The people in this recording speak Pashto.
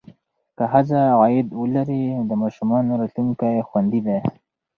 که ښځه عاید ولري، نو د ماشومانو راتلونکی خوندي دی.